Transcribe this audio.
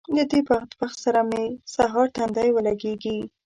له دې بدبخت سره مې چې سهار تندی ولګېږي